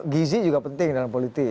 gizi juga penting dalam politik